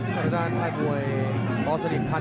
ทางด้านไพ่มวยอสนิทพันธ์